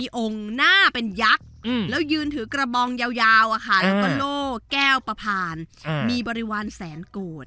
มีองค์หน้าเป็นยักษ์เรายืนถือกระบองเยาโละแก้วประผารมีบริวารแสนโกด